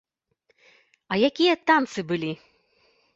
А якія танцы былі!